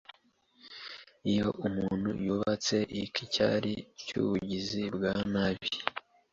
Iyo umuntu yubatse iki cyari cyubugizi bwa nabi